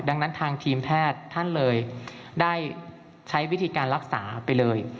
ดังนั้นทางทีมแพทย์ท่านเลยได้ใช้วิธีการรักษาไปเลย